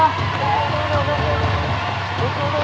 เริ่มหน่อยเริ่มหน่อยเริ่มหน่อย